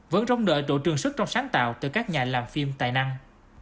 vẫn rong đợi độ trường sức trong sáng tạo từ các nhà làm phim tài năng